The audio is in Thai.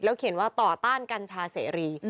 เขียนว่าต่อต้านกัญชาเสรี